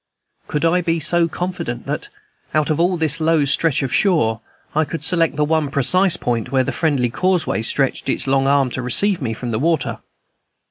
Could I be so confident that, out of all that low stretch of shore, I could select the one precise point where the friendly causeway stretched its long arm to receive me from the water?